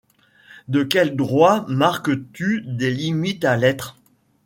De quel droit marques-tu des limites a l’être